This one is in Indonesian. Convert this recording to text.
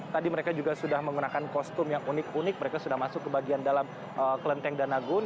tadi mereka juga sudah menggunakan kostum yang unik unik mereka sudah masuk ke bagian dalam kelenteng danagun